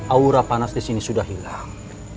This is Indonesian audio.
aura panas di sini sudah hilang